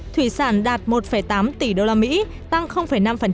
thủy sản đạt một tám tỷ usd tăng năm